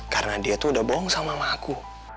karena dia tuh udah bohong sama mama aku